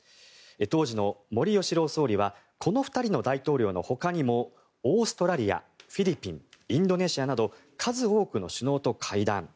当時の森喜朗総理はこの２人の大統領の他にもオーストラリア、フィリピンインドネシアなど数多くの首脳と会談。